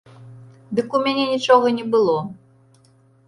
Дык у мяне нічога не было!